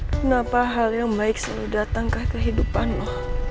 kenapa hal yang baik selalu datang ke kehidupan lo